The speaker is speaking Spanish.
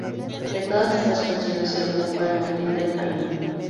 De todas estas cuestiones se ocupa "El motín del Caine".